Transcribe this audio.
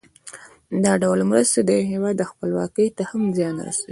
دا ډول مرستې د یو هېواد خپلواکۍ ته هم زیان رسوي.